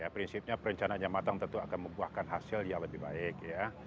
prinsipnya perencanaan yang matang tentu akan membuahkan hasil yang lebih baik